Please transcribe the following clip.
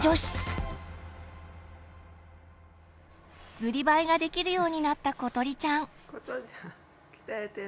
ずりばいができるようになったことりちゃん。